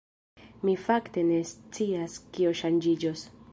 Mi fakte ne scias kio ŝanĝiĝos.